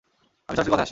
আমি সরাসরি কথায় আসি।